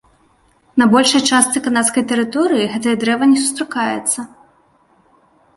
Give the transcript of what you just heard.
На большай частцы канадскай тэрыторый гэтае дрэва не сустракаецца.